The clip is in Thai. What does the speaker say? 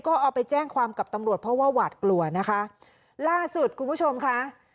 ก็เอาไปแจ้งความกับตำรวจเพราะว่าหวาดกลัวนะคะล่าสุดคุณผู้ชมค่ะ